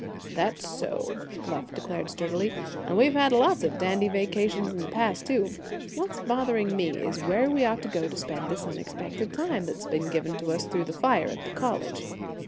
"That's so," Bluff declared sturdily, "and we've had lots of dandy vacations in the past, too. What's bothering me is where we ought to go to spend this unexpected time that's been given to us through the fire at the college."